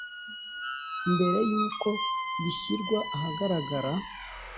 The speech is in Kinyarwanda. mbere yuko bishyirwa ahagaragara: